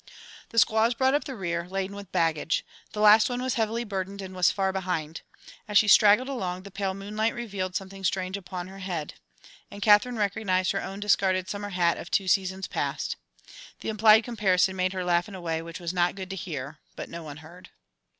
The squaws brought up the rear, laden with baggage. The last one was heavily burdened and was far behind. As she straggled along, the pale moonlight revealed something strange upon her head and Katherine recognised her own discarded summer hat of two seasons past. The implied comparison made her laugh in a way which was not good to hear but no one heard.